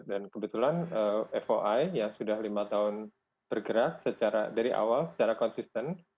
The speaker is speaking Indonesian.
dan kebetulan foi yang sudah lima tahun bergerak secara dari awal secara konsisten